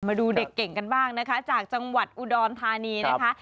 มาดูเด็กเก่งกันบ้างนะคะจากจังหวัดอุดรธานีนะคะ